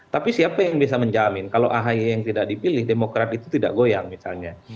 tapi siapa yang bisa menjamin kalau ahy yang tidak dipilih demokrat itu tidak goyang misalnya